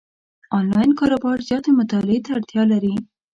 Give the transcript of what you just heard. انلاین کاروبار زیاتې مطالعې ته اړتیا لري،